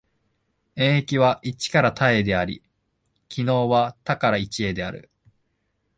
演繹は一から多へであり、帰納は多から一へである。